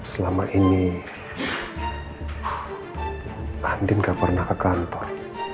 selama ini andin gak pernah ke kantor